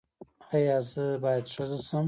ایا زه باید ښځه شم؟